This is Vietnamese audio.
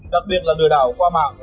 đặc biệt là lừa đảo qua mạng